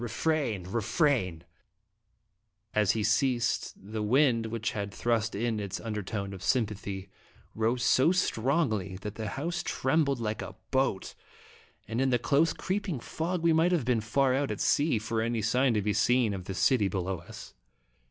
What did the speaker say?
Refrain ! Refrain ! As he ceased, the wind, which had thrust in its undertone of sympathy, rose so strongly that the house trembled like a boat, and in the close, creeping fog we might have been far out at sea, for any sign to be seen of the city be low us.